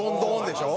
でしょ？